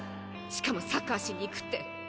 しかもサッカーしに行くって。